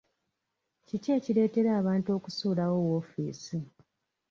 Kiki ekireetera abantu okusuulawo woofiisi?